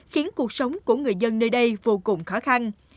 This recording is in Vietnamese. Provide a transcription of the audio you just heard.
khiến cuộc sống của người dân nơi đây vô cùng khó khăn